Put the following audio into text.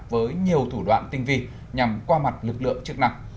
với nhiều thủ đoạn tinh vi nhằm qua mặt lực lượng chức năng